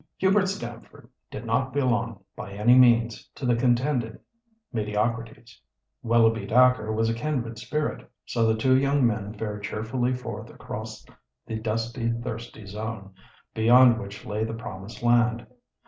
Hubert Stamford did not belong, by any means, to the contented mediocrities. Willoughby Dacre was a kindred spirit. So the two young men fared cheerfully forth across the dusty, thirsty zone, beyond which lay the Promised Land.